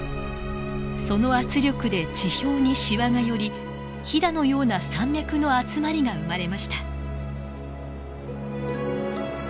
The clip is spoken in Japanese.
その圧力で地表にしわが寄りヒダのような山脈の集まりが生まれました。